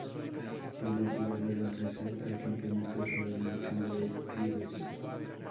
Puede llegar a reemplazar al Campeonato sudamericano de clubes.